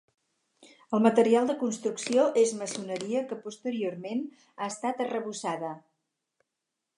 El material de construcció és maçoneria que posteriorment ha estat arrebossada.